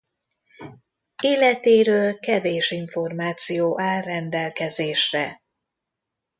Életéről kevés információ áll rendelkezésre.